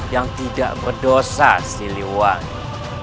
yang tidak berdosa siliwangi